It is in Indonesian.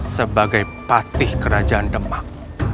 sebagai patih kerajaan demak